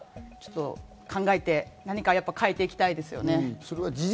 ちょっと考えて何か変えていきたいですね。